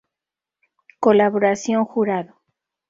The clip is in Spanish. Colaboración Jurado.